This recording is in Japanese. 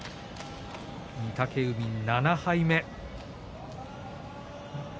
御嶽海、７敗目。